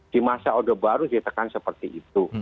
di masa orde baru ditekan seperti itu